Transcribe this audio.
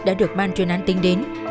đã được ban chuyên án tính đến